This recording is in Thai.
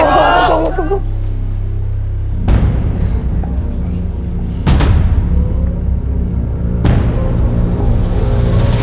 ถูก